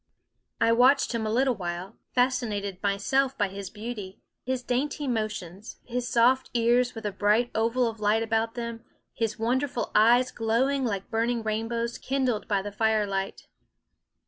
I watched him a little while, fascinated myself by his beauty, his dainty motions, his soft ears with a bright oval of light about them, his wonderful eyes glowing like burning rainbows kindled by the firelight.